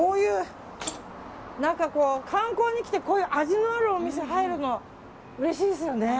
観光に来てこういう味のあるお店に入るのうれしいですよね。